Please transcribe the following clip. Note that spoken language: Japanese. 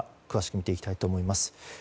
詳しく見ていきたいと思います。